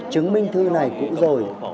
chứng minh thư này cũng rồi